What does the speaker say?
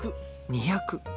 ２００。